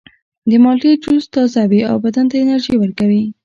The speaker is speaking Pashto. د مالټې جوس تازه وي او بدن ته انرژي ورکوي.